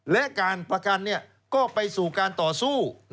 และการประกันก็ไปสู่การต่อสู้